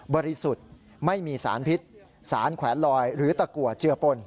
ริสุทธิ์ไม่มีสารพิษสารแขวนลอยหรือตะกัวเจือปน